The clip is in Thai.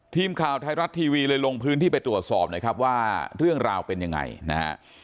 ทีมข่าวไทยรัฐทีวีเลยลงพื้นที่ไปตรวจสอบนะครับว่าเรื่องราวเป็นยังไงนะฮะ